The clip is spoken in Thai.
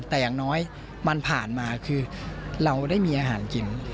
แต่อย่างน้อยมันผ่านมาคือเราได้มีอาหารกิน